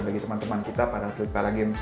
bagi teman teman kita para atlet para games